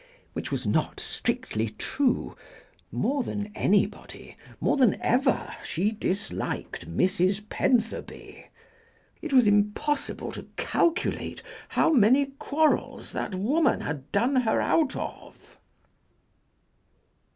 Which was not strictly true; more than anybody, more than ever she disliked Mrs. Pentherby. It was impossible to calculate how many quarrels that woman had done her out of.